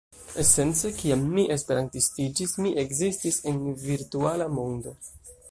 Esence kiam mi esperantistiĝis mi ekzistis en virtuala mondo